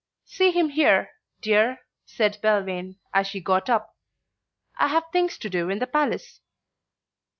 "See him here, dear," said Belvane, as she got up. "I have things to do in the Palace."